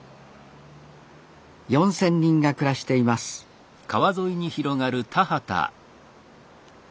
４，０００人が暮らしていますか